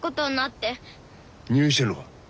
入院してるのか？